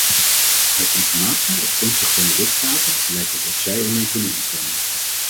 Uit informatie afkomstig van de lidstaten blijkt dat ook zij ermee kunnen instemmen.